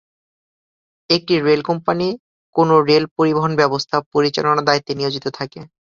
একটি rail company কোনও rail পরিবহন ব্যবস্থা পরিচালনার দায়িত্বে নিয়োজিত থাকে।